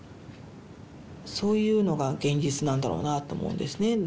そういうのが現実なんだろうなと思うんですね。